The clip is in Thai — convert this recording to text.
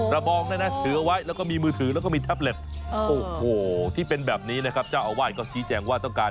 ระบองนะถือไว้แล้วก็มีมือถือแล้วก็มีแท็บเล็ต